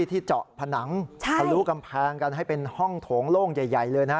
ที่เจาะผนังทะลุกำแพงกันให้เป็นห้องโถงโล่งใหญ่เลยนะ